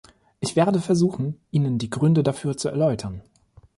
Ich werde versuchen, Ihnen die Gründe dafür zu erläutern.